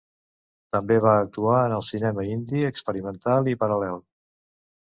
També va actuar en el cinema indi experimental i paral·lel.